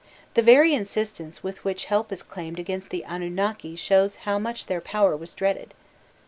The very insistence with which help is claimed against the Anunnaki shows how much their power was dreaded.